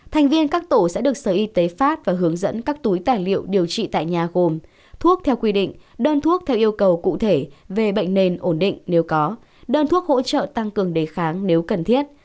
thành viên các tổ sẽ được sở y tế phát và hướng dẫn các túi tài liệu điều trị tại nhà gồm thuốc theo quy định đơn thuốc theo yêu cầu cụ thể về bệnh nền ổn định nếu có đơn thuốc hỗ trợ tăng cường đề kháng nếu cần thiết